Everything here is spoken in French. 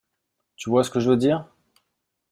Tu vois ce que je veux dire ?